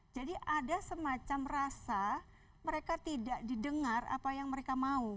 jadi ada semacam rasa mereka tidak didengar apa yang mereka mau